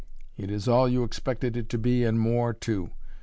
It is all you expected it to be, and more, too.